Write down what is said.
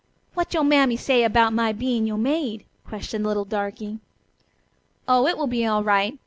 "Wat yo' mammy say 'bout my bein' yo' maid?" questioned the little darky. "Oh, it will be all right.